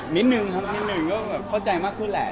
นิดนึงครับนิดหนึ่งก็แบบเข้าใจมากขึ้นแหละ